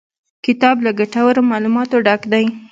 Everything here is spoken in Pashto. کتاب له ګټورو معلوماتو ډک دی.